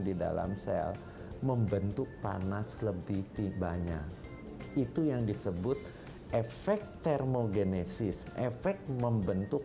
di dalam sel membentuk panas lebih tibanya itu yang disebut efek termogenesis efek membentuk